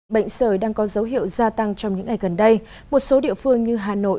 bệnh sởi đang có dấu hiệu gia tăng trong những ngày gần đây một số địa phương như hà nội